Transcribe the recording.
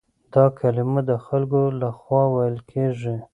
دا کلمه د خلکو له خوا ويل کېږي.